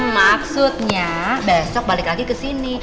maksudnya besok balik lagi kesini